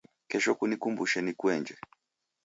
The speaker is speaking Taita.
Kesho kunikumbushe nikuenje